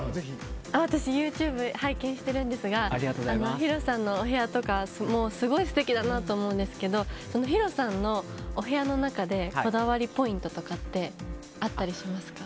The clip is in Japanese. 私、ＹｏｕＴｕｂｅを拝見しているんですがヒロさんのお部屋とかすごい素敵だなと思うんですけどヒロさんのお部屋の中でこだわりポイントとかってあったりしますか？